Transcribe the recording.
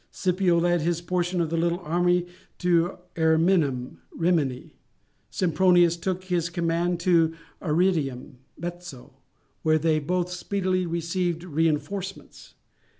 Scipio led his portion of the little army to Ariminum (Rimini), Sempronius took his command to Arretium (Mezzo), where they both speedily received reinforcements.